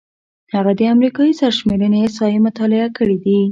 هغه د امریکايي سرشمېرنې احصایې مطالعه کړې دي.